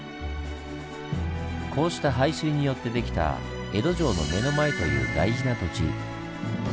こうした排水によってできた「江戸城の目の前」という大事な土地。